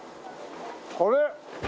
これ！